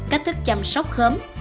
cách thức chăm sóc khóm